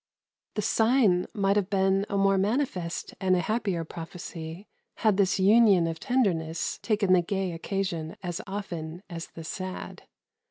The sign might have been a more manifest and a happier prophecy had this union of tenderness taken the gay occasion as often as the sad.